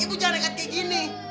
ibu jangan dekat seperti ini